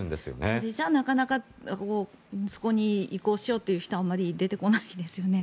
それじゃなかなかそこに移行しようという人は出てこないですよね。